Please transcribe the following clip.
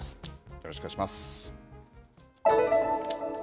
よろしくお願いします。